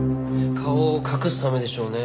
顔を隠すためでしょうね。